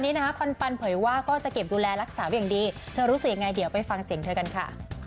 นี่ปันปันสุทธาตามาเป็นไงคะ